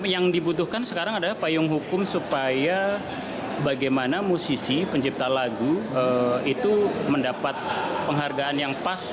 yang dibutuhkan sekarang adalah payung hukum supaya bagaimana musisi pencipta lagu itu mendapat penghargaan yang pas